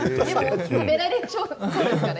食べられそうですよね